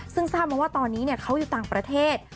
ซึ่งทราบมาว่าตอนนี้เขาอยู่ต่างประเทศ